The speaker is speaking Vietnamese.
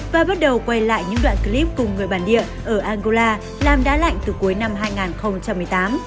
và bắt đầu quay lại những đoạn clip cùng người bản địa ở angola làm đá lạnh từ cuối năm hai nghìn một mươi tám